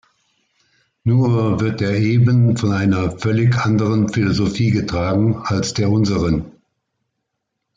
Nur wird er eben von einer völlig anderen Philosophie getragen als der unseren.